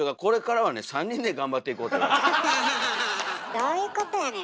どういうことやねん。